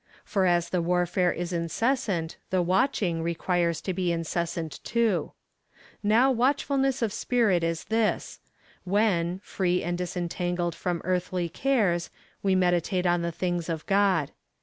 For as the warfare is incessant, the watching requires to be incessant too. Now watchfuhiess of spirit is this — when, free and disentangled from earthly cares, we meditate on the things of God.